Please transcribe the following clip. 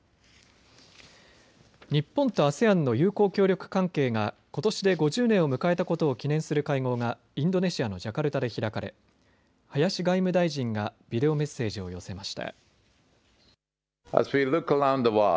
日本とＡＳＥＡＮの友好協力関係がことしで５０年を迎えたことを記念する会合がインドネシアのジャカルタで開かれ林外務大臣がビデオメッセージを寄せました。